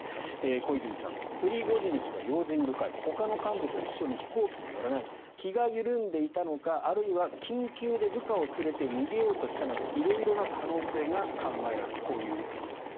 小泉さんプリゴジン氏は用心深いほかの幹部と一緒に飛行機に乗らない気が緩んでいたのかあるいは緊急で部下を連れて逃げようとしたなど色々な可能性が考えられるこういうことなんですね。